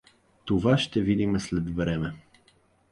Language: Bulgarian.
Това ще да видиме след време.